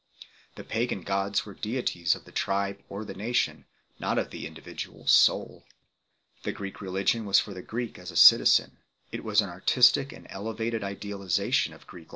The pagan gods were deities of the tribe or the nation, v.not of the individual soul. The Greek religion was for the Greek as a citizen ; it was an artistic and elevated idealization of Greek life, 1 Ecce Homo, 131 f.